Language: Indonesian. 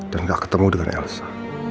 dan gak ketemu dengan elsa